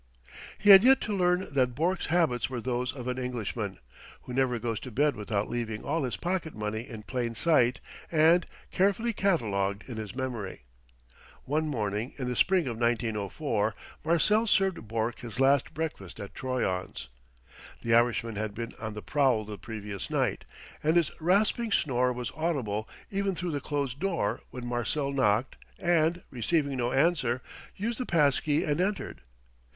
He had yet to learn that Bourke's habits were those of an Englishman, who never goes to bed without leaving all his pocket money in plain sight and carefully catalogued in his memory.... One morning in the spring of 1904 Marcel served Bourke his last breakfast at Troyon's. The Irishman had been on the prowl the previous night, and his rasping snore was audible even through the closed door when Marcel knocked and, receiving no answer, used the pass key and entered.